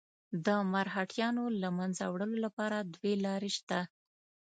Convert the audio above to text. د مرهټیانو له منځه وړلو لپاره دوې لارې شته.